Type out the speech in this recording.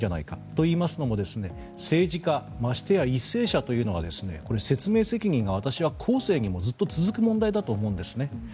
といいますのも政治家ましてや為政者というのは説明責任が私は後世にもずっと続く問題だと思うんです。